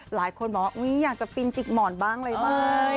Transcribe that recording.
หลายคนบอกว่าอุ๊ยอยากจะฟินจิกหมอนบ้างเลยไหม